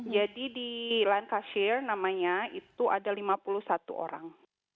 jadi di lanchester namanya itu ada lima puluh satu orang